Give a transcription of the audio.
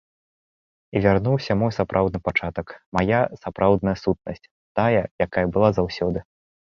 І вярнуўся мой сапраўдны пачатак, мая сапраўдная сутнасць, тая, якая была заўсёды.